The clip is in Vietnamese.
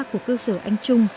của cơ sở anh trung